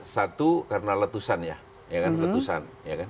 satu karena letusan ya kan letusan